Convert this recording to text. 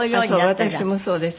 私もそうです。